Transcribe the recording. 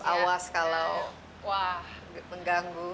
awas kalau mengganggu